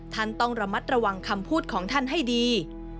ท่านต้องระมัดระวังคำพูดของท่านให้ดี